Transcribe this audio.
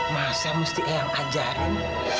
masa mesti ayang ajaan